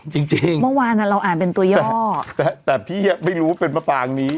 จริงเมื่อวานเราอ่านเป็นตัวย่อแต่พี่ไม่รู้เป็นมาปรางนี้